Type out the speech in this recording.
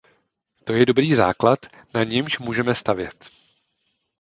To je dobrý základ, na němž můžeme stavět.